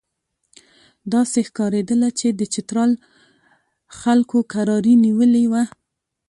داسې ښکارېدله چې د چترال خلکو کراري نیولې وه.